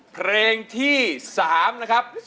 เพลงที่๓นะครับ